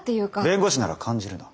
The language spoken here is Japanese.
弁護士なら感じるな。